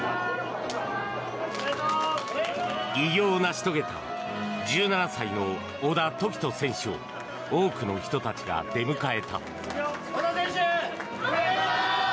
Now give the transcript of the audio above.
偉業を成し遂げた１７歳の小田凱人選手を多くの人たちが出迎えた。